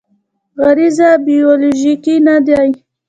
غریزه بیولوژیکي نه دی.